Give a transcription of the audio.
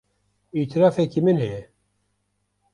Îtirafeke min heye.